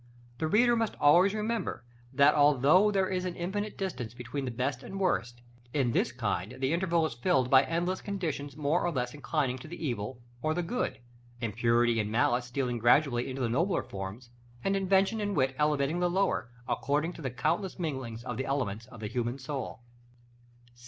The reader must always remember, that, although there is an infinite distance between the best and worst, in this kind the interval is filled by endless conditions more or less inclining to the evil or the good; impurity and malice stealing gradually into the nobler forms, and invention and wit elevating the lower, according to the countless minglings of the elements of the human soul.